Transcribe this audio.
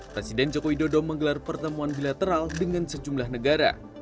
presiden jokowi dodong menggelar pertemuan bilateral dengan sejumlah negara